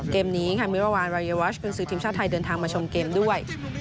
เกมนี้ค่ะมิรวานรายวัชกุญสือทีมชาติไทยเดินทางมาชมเกมด้วย